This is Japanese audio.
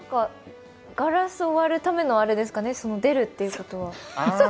ガラスを割るためのあれですかね、出るってことは。